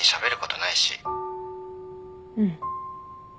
うん。